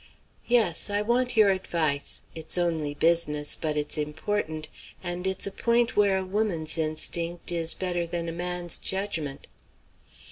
"Yes; I want your advice. It's only business, but it's important, and it's a point where a woman's instinct is better than a man's judgment."